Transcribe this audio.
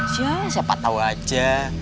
siapa tau aja